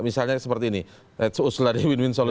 misalnya seperti ini